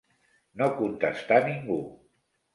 No contestà ningú